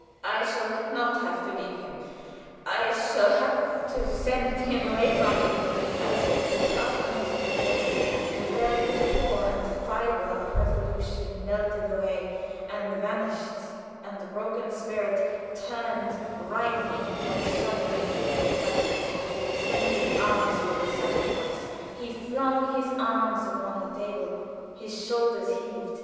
"I shall not have to leave him. I shall have to send him away from me." As if with the utterance of the words, the very core and fiber of resolution melted away and vanished, and the broken spirit turned writhing and shuddering from the phantom that extended its arms for the sacrifice, he flung his arms upon the table; his shoulders heaved.